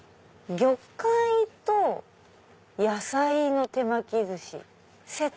魚介と野菜の手巻き寿司セット。